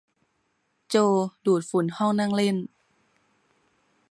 โจดูดฝุ่นห้องนั่งเล่น